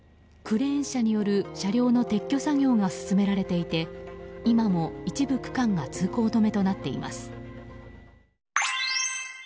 クレーン車による車両の撤去作業が進められていて今も一部区間が通行止めとなっています。